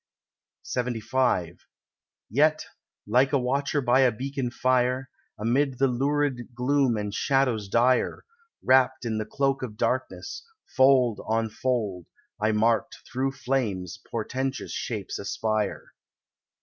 LXXV Yet, like a watcher by a beacon fire, Amid the lurid gloom and shadows dire, Wrapped in the cloak of darkness, fold on fold, I marked through flames portentous shapes aspire.